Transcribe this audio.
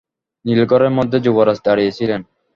নীল ঘরের মধ্যে যুবরাজ দাঁড়িয়ে ছিলেন।